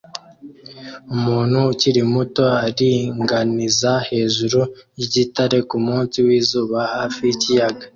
Umuhungu ukiri muto aringaniza hejuru yigitare kumunsi wizuba hafi yikiyaga